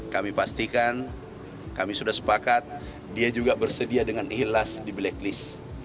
kami pastikan kami sudah sepakat dia juga bersedia dengan ikhlas di blacklist